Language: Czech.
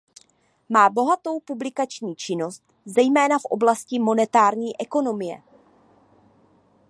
Má bohatou publikační činnost zejména v oblasti monetární ekonomie.